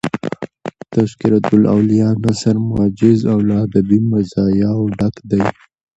"تذکرةالاولیاء" نثر موجز او له ادبي مزایاو ډک دﺉ.